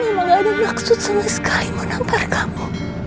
mama gak ada maksud sama sekali menampar kamu